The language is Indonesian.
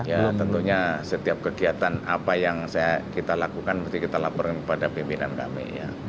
ya tentunya setiap kegiatan apa yang kita lakukan mesti kita laporkan kepada pimpinan kami